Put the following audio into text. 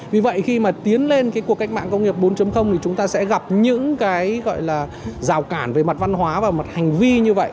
vì vậy khi mà tiến lên cái cuộc cách mạng công nghiệp bốn thì chúng ta sẽ gặp những cái gọi là rào cản về mặt văn hóa và mặt hành vi như vậy